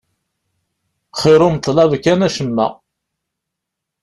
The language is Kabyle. Xir umeḍlab kan acemma.